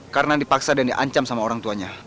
karena dipaksa dan diancam sama orang tuanya